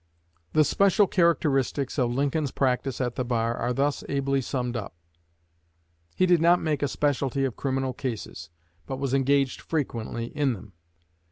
The special characteristics of Lincoln's practice at the bar are thus ably summed up: "He did not make a specialty of criminal cases, but was engaged frequently in them.